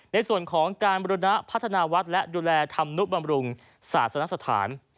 ในส่วนของการบุรณะพัฒนาวัดและดูแลธรรมนุบำรุงศาสนสถาน